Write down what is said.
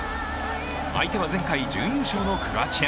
相手は前回準優勝のクロアチア。